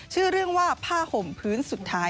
ชื่อเรื่องว่าผ้าห่มพื้นสุดท้าย